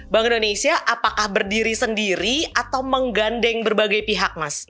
bank indonesia apakah berdiri sendiri atau menggandeng berbagai pihak mas